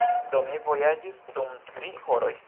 Do, mi vojaĝis dum tri horoj.